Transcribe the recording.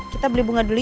kita beli bunga dulu yuk